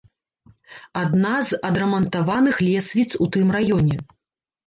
Адна з адрамантаваных лесвіц у тым раёне.